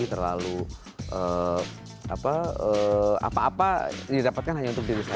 terlalu apa apa didapatkan hanya untuk diri saya